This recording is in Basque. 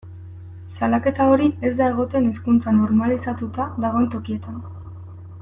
Salaketa hori ez da egoten hizkuntza normalizatuta dagoen tokietan.